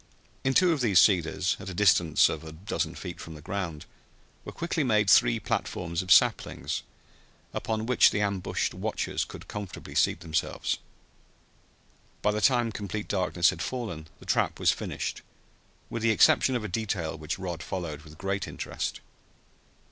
In two of these cedars, at a distance of a dozen feet from the ground, were quickly made three platforms of saplings, upon which the ambushed watchers could comfortably seat themselves. By the time complete darkness had fallen the "trap" was finished, with the exception of a detail which Rod followed with great interest.